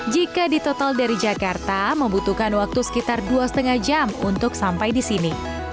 jika ditotal dari jakarta membutuhkan waktu sekitar dua lima jam untuk sampai di sini